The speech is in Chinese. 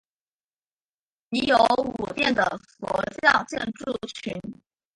已有五殿的佛教建筑群。